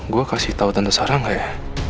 gue kasih tau tante sarang ya